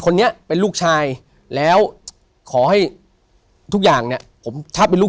คนนี้เป็นลูกชายแล้วขอให้ทุกอย่างเนี่ยผมถ้าเป็นลูก